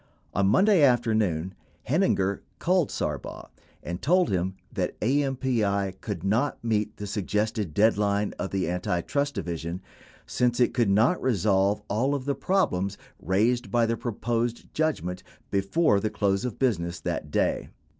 On Monday afternoon, Heininger called Sarbaugh and told him that AMPI could not meet the Suggested deadline of the Antitrust Division since it could not resolve all of the problems raised by the proposed judgment before the close of business that day.